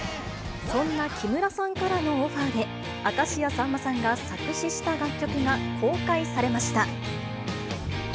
そんな木村さんからのオファーで、明石家さんまさんが作詞した楽曲が公開されました。